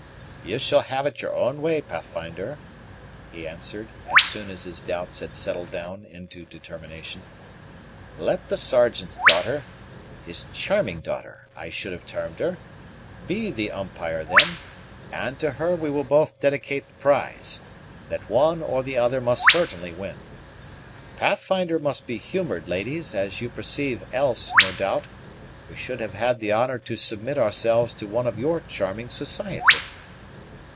"You shall have it your own way, Pathfinder," he answered, as soon as his doubts had settled down into determination; "let the Sergeant's daughter his charming daughter, I should have termed her be the umpire then; and to her we will both dedicate the prize, that one or the other must certainly win. Pathfinder must be humored, ladies, as you perceive, else, no doubt, we should have had the honor to submit ourselves to one of your charming society."